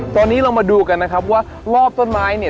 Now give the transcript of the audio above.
ตอนนี้เรามาดูกันนะครับว่ารอบต้นไม้เนี่ย